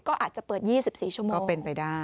ก็อาจจะเปิด๒๔ชั่วโมงก็เป็นไปได้